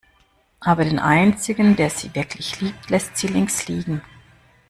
Aber den einzigen, der sie wirklich liebt, lässt sie links liegen.